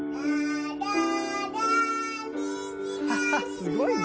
すごいな！